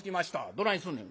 「どないすんねん？」。